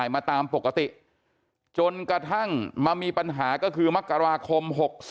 มาตามปกติจนกระทั่งมามีปัญหาก็คือมกราคม๖๒